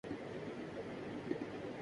میرے نانا ابو کو کتابیں پڑھنے کا شوق ہے